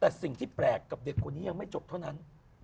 แต่สิ่งที่แปลกกับเด็กคนนี้ยังไม่จบเท่านั้น